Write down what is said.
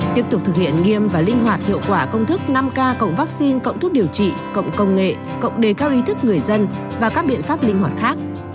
tiếp tục thực hiện nghiêm và linh hoạt hiệu quả công thức năm k cộng vaccine cộng thuốc điều trị cộng công nghệ cộng đề cao ý thức người dân và các biện pháp linh hoạt khác